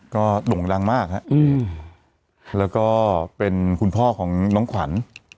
ก็โด่งดังมากฮะแล้วก็เป็นคุณพ่อของน้องขวัญ